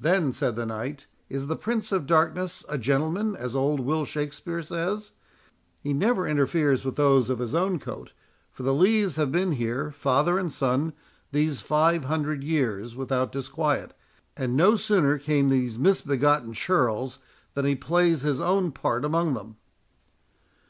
"Then," said the knight, "is the Prince of Darkness a gentleman, as old Will Shakspeare says. He never interferes with those of his own coat, for the Lees have been here, father and son, these five hundred years, without disquiet; and no sooner came these misbegotten churls, than he plays his own part among them."